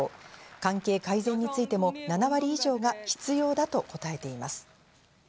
関係改善についても７割以上が必要だと答えています。